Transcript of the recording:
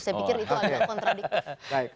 saya pikir itu agak kontradiktif